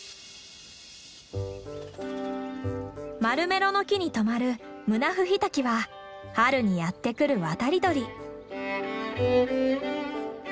マルメロの木に止まるムナフヒタキは春にやって来る渡り鳥。